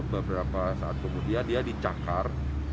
beberapa saat kemudian dia dicakar